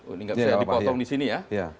ini nggak bisa dipotong disini ya